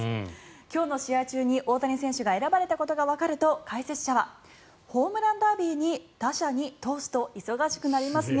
今日の試合中に大谷選手が選ばれたことがわかると解説者はホームランダービーに打者に投手と忙しくなりますね